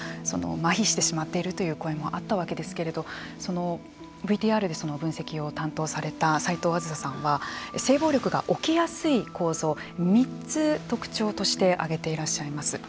まひしてしまっているという声もあったわけですけれどもそのＶＴＲで分析を担当された齋藤梓さんは性暴力が起きやすい構造３つ特徴として挙げていらっしゃいます。